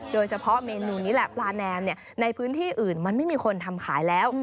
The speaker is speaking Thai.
โดยเฉพาะเมนูนี้แหละปลาแนมในพื้นที่อื่นมันไม่มีคนทำขายแล้ว